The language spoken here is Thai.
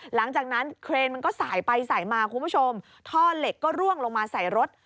หลังจากนั้นเครนมันก็สายไปสายมาคุณผู้ชมท่อเหล็กก็ร่วงลงมาใส่รถ